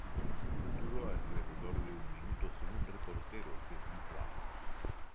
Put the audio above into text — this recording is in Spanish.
Duró alrededor de un minuto según reporteros de Xinhua.